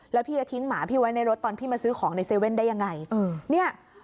แล้วพี่จะทิ้งหมาพี่ไว้ในรถตอนพี่มาซื้อของในเซเว่นได้ยังไงเนี่ย